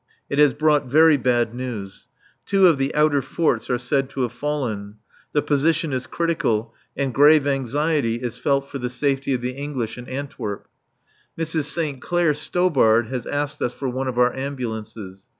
It has brought very bad news. Two of the outer forts are said to have fallen. The position is critical, and grave anxiety is felt for the safety of the English in Antwerp. Mrs. St. Clair Stobart has asked us for one of our ambulances.